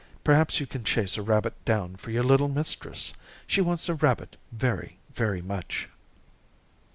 Perhaps you can chase a rabbit down for your little mistress. She wants a rabbit very, very much."